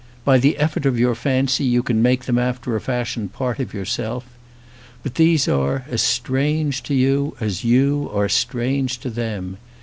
By the effort of your fancy you can make them after a fashion part of yourself. But these are as strange to you as you are strange to them.